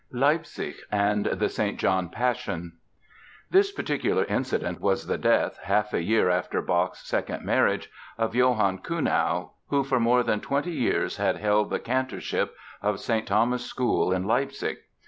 LEIPZIG AND THE ST. JOHN PASSION This particular incident was the death, half a year after Bach's second marriage, of Johann Kuhnau who, for more than twenty years, had held the Cantorship of St. Thomas's School in Leipzig.